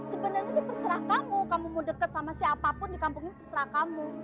sebenarnya sih terserah kamu kamu mau deket sama siapapun di kampung ini terserah kamu